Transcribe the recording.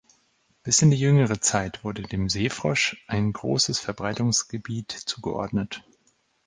Bis in die jüngere Zeit wurde dem Seefrosch ein großes Verbreitungsgebiet zugeordnet.